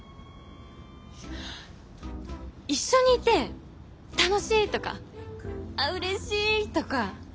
一緒にいて楽しいとかああうれしいとか。